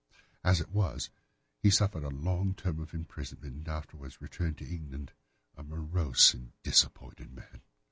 As it was, he suffered a long term of imprisonment and afterwards returned to England a morose and disappointed man.